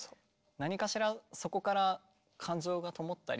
何かしらそこから感情がともったり。